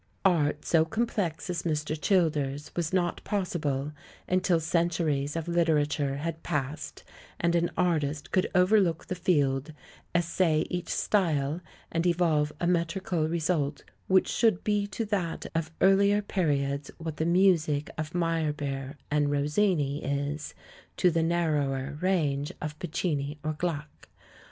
Art so complex as Mr. Childers' was not possible until centuries of literature had passed, and an artist could overlook the field, essay each style, and evolve a metrical result which should be to that of earlier periods what the music of Meyerbeer and Rossini is to the nar rower range of Piccini or Gluck.